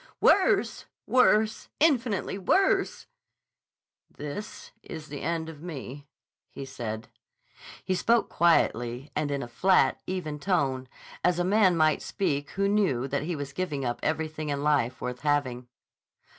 "Worse! Worse! Infinitely worse!" "This is the end of me," he said. He spoke quietly and in a flat, even tone as a man might speak who knew that he was giving up everything in life worth having.